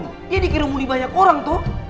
dia dikira muli banyak orang tuh